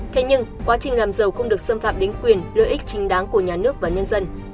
thế nhưng quá trình làm giàu không được xâm phạm đến quyền lợi ích chính đáng của nhà nước và nhân dân